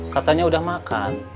katanya udah makan